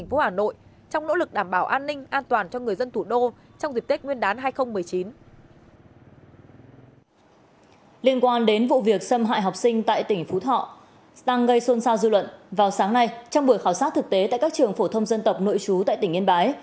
hôm nay trong buổi khảo sát thực tế tại các trường phổ thông dân tộc nội chú tại tỉnh yên bái